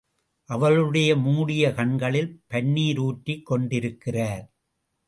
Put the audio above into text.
அவளுடைய மூடிய கண்களில் பன்னீர் ஊற்றிக் கொண்டிருக்கிறார்.